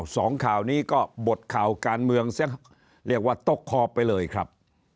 สองข่าวนี้ก็บทข่าวการเมืองเสียงเรียกว่าตกคอไปเลยครับ